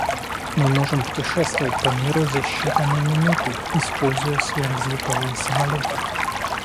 Мы можем путешествовать по миру за считанные минуты, используя сверхзвуковые самолеты.